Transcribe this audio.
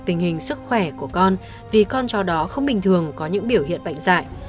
hình hình sức khỏe của con vì con chó đó không bình thường có những biểu hiện bệnh dại